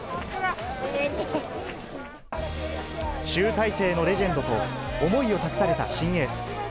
集大成のレジェンドと、思いを託された新エース。